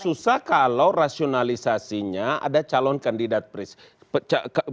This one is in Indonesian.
susah kalau rasionalisasinya ada calon kandidat presiden